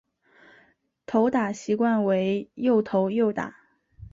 投打习惯为右投右打。